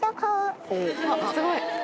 すごい！